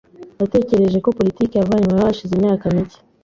Natekereje ko politiki yavanyweho hashize imyaka mike.